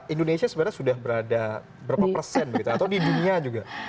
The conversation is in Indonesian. indonesia sebenarnya sudah berada berapa persen begitu atau di dunia juga